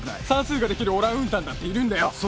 算数ができるオランウータンだっているんだよ。